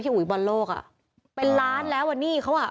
อุ๋ยบอลโลกอ่ะเป็นล้านแล้วอ่ะหนี้เขาอ่ะ